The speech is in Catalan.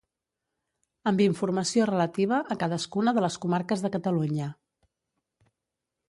Amb informació relativa a cadascuna de les comarques de Catalunya.